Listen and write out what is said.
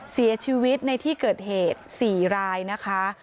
เสียชีวิตในที่เกิดเหตุ๔รายนะคะ